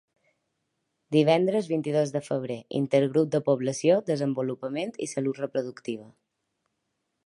Divendres vint-i-dos de febrer: intergrup de població, desenvolupament i salut reproductiva.